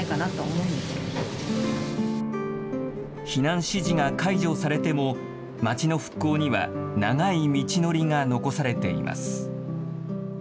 避難指示が解除されても、町の復興には長い道のりが残されています。